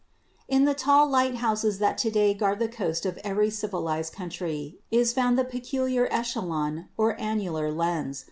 In the tall lighthouses that to day guard the coast of every civilized country is found the peculiar echelon or annular lens.